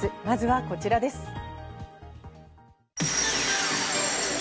まずはこちらです。